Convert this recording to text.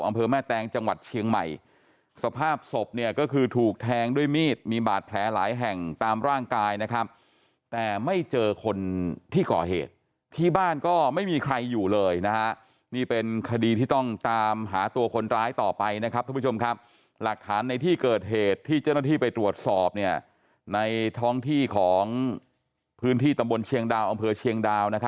อำเภอแม่แตงจังหวัดเชียงใหม่สภาพศพเนี่ยก็คือถูกแทงด้วยมีดมีบาดแผลหลายแห่งตามร่างกายนะครับแต่ไม่เจอคนที่ก่อเหตุที่บ้านก็ไม่มีใครอยู่เลยนะฮะนี่เป็นคดีที่ต้องตามหาตัวคนร้ายต่อไปนะครับทุกผู้ชมครับหลักฐานในที่เกิดเหตุที่เจ้าหน้าที่ไปตรวจสอบเนี่ยในท้องที่ของพื้นที่ตำบลเชียงดาวอำเภอเชียงดาว